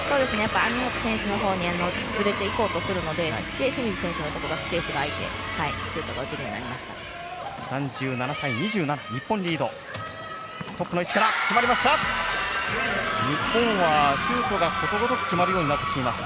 網本選手のほうにずれていこうとするので清水選手のところスペースが空いてシュートが打てるようになりました。